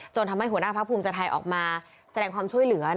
ทำให้หัวหน้าพักภูมิใจไทยออกมาแสดงความช่วยเหลือ